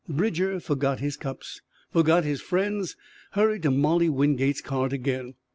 Bridger forgot his cups, forgot his friends, hurried to Molly Wingate's cart again.